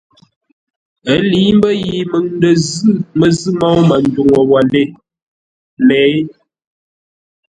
Ə́ lə̌i mbə́ yi məŋ ndə zʉ́ məzʉ̂ môu Manduŋ wə́ lə́ lée.